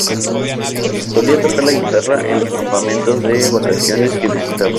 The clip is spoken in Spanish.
Solía tocar la guitarra en los campamentos de vacaciones que visitaba.